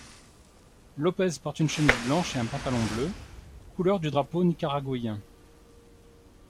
López porte une chemise blanche et un pantalon bleu, couleurs du drapeau nicaraguayen.